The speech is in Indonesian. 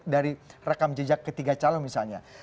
dari rekam jejak ketiga calon misalnya